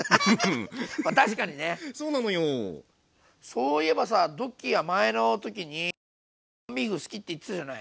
そういえばさドッキーは前の時にコンビーフ好きって言ってたじゃない。